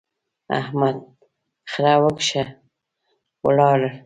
احمد خړه وکښه، ولاړ.